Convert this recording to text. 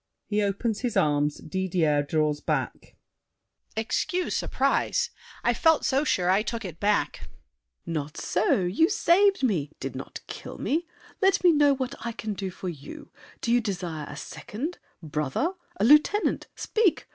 [He opens his arms. Didier draws back. DIDIER. Excuse surprise! I felt so sure I took it back. SAVERNY. Not so! You saved me—did not kill me! Let me know What I can do for you. Do you desire A second—brother—a lieutenant? Speak!